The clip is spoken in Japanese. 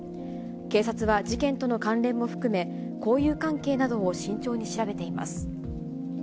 警察は事件との関連も含め、交友関係などを慎重に調べています。